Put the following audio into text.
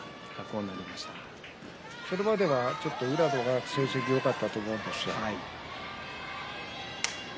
それまでは宇良の方が成績よかったと思うんですよ。